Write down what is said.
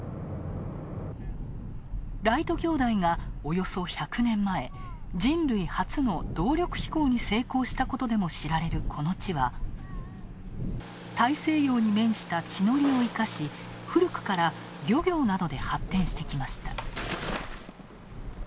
ライト兄弟がおよそ１００年前、人類初の動力飛行に成功したことで知られる、この地は、大西洋に面した地の利を活かし古くから漁業などで発展してきました。